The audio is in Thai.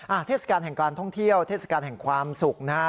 เทศกาลแห่งการท่องเที่ยวเทศกาลแห่งความสุขนะฮะ